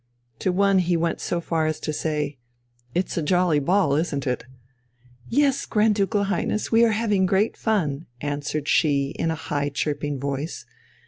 To one he went so far as to say: "It's a jolly ball, isn't it?" "Yes, Grand Ducal Highness, we are having great fun," answered she in a high chirping voice.